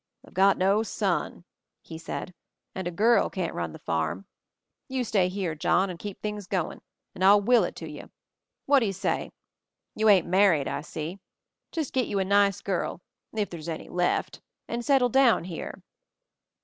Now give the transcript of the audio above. "I've got no son," he said, "and a girl can't run the farm. You stay here, John, and keep things goin', and I'll will it to you — what do you say? You ain't married, I see. Just get you a nice girl if there's any left, and settle down here."